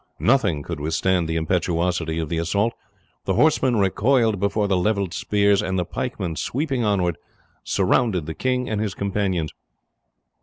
Nothing could withstand the impetuosity of the assault. The horsemen recoiled before the levelled spears, and the pikemen, sweeping onward, surrounded the king and his companions.